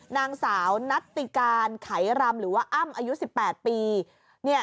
นางสาวนัตติการไขรำหรือว่าอ้ำอายุ๑๘ปี